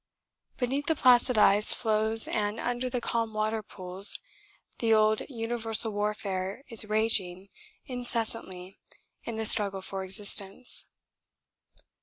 Beneath the placid ice floes and under the calm water pools the old universal warfare is raging incessantly in the struggle for existence.